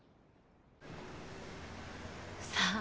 さあ。